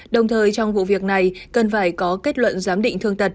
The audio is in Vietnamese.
đồng thời trong vụ việc này cần phải có kết luận giám định thương tật